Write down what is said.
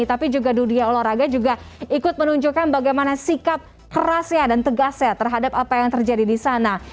tapi juga dunia olahraga juga ikut menunjukkan bagaimana sikap kerasnya dan tegasnya terhadap apa yang terjadi di sana